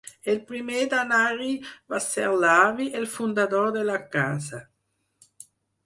El primer d'anar-hi va ser l'avi, el fundador de la casa